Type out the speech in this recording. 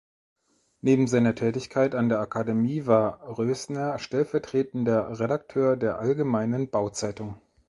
Neben seiner Tätigkeit an der Akademie war Roesner stellvertretender Redakteur der „Allgemeinen Bauzeitung“.